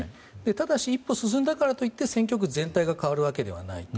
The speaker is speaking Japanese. ただし一歩進んだからといって戦局全体が変わるわけではない。